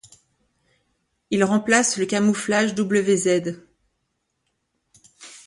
Il remplace le camouflage wz.